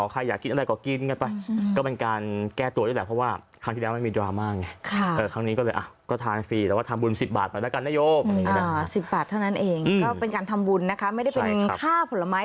ก็เป็นการทำบุญนะคะไม่ได้เป็นข้าวผลไม้